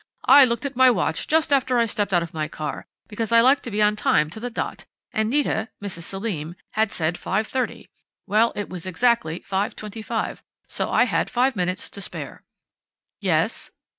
"I looked at my watch just after I stepped out of my car, because I like to be on time to the dot, and Nita Mrs. Selim had said 5:30.... Well, it was exactly 5:25, so I had five minutes to spare." "Yes?"